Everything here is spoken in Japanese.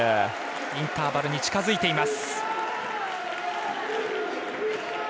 インターバルに近づいています。